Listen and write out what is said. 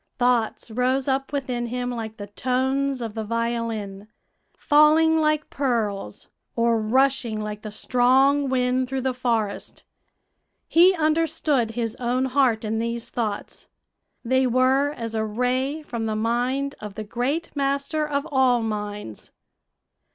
Thoughts rose up within him like the tones of the violin, falling like pearls, or rushing like the strong wind through the forest. He understood his own heart in these thoughts; they were as a ray from the mind of the Great Master of all minds.